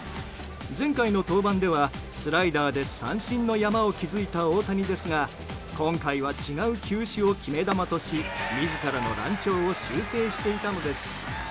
前回の登板ではスライダーで三振の山を築いた大谷ですが今回は違う球種を決め球とし自らの乱調を修正していたのです。